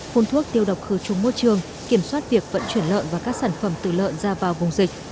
phun thuốc tiêu độc khử trùng môi trường kiểm soát việc vận chuyển lợn và các sản phẩm tự lợn ra vào vùng dịch